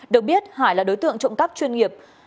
được biết hải là đối tượng trộm cắp chuyên nghiệp